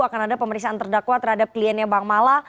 akan ada pemeriksaan terdakwa terhadap kliennya bang mala